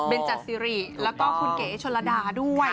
เบนจัดซีรีส์แล้วก็คุณเกะเอชลดาด้วย